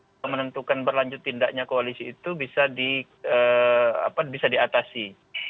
untuk menentukan berlanjut tindaknya koalisi itu bisa diatasi